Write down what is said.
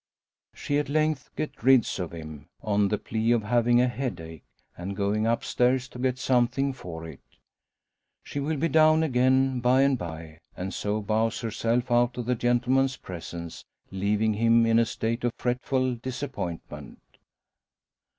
She at length gets rid of him, on the plea of having a headache, and going upstairs to get something for it. She will be down again by and by; and so bows herself out of the gentleman's presence, leaving him in a state of fretful disappointment.